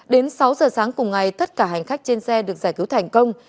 đến sáu giờ sáng cùng ngày tất cả hành khách trên xe được giải cứu thành công